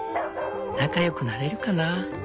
仲良くなれるかな？